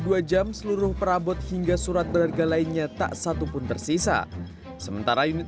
dua jam seluruh perabot hingga surat berharga lainnya tak satupun tersisa sementara unit